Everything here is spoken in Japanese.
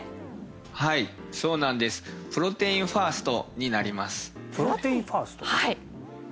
はいそうなんですプロテインファースト？